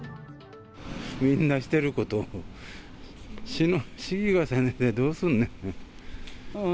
みんなしていることを市議がせんでどうすんねん。